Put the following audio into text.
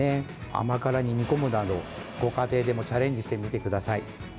甘辛に煮込むなど、ご家庭でもチャレンジしてみてください。